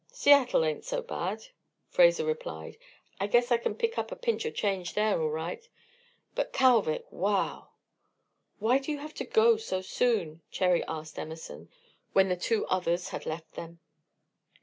"Seattle ain't so bad," Fraser replied. "I guess I can pick up a pinch of change there, all right. But Kalvik Wow!" "Why do you have to go so soon?" Cherry asked Emerson, when the two others had left them.